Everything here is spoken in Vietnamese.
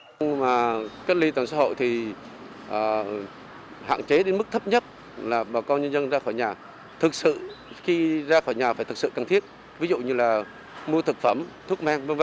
nhưng mà cách ly toàn xã hội thì hạn chế đến mức thấp nhất là bà con nhân dân ra khỏi nhà thực sự khi ra khỏi nhà phải thực sự cần thiết ví dụ như là mua thực phẩm thuốc men v v